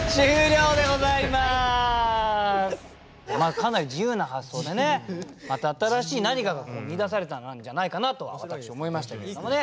かなり自由な発想でねまた新しい何かが見いだされたんじゃないかなと私思いましたけどもね。